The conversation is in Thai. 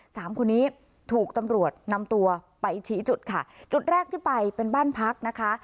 สามคนนี้ถูกตำรวจนำตัวไปชี้จุดค่ะจุดแรกที่ไปเป็นบ้านพักนะคะ